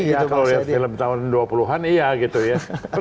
iya kalau lihat film tahun dua puluh an iya gitu ya